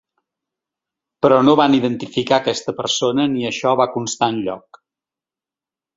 Però no van identificar aquesta persona ni això va constar enlloc.